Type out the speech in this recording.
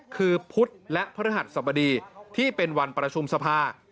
คือพุธและพระฤหัสสบดีที่เป็นวันประชุมสภา